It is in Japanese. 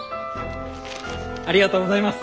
ありがとうございます！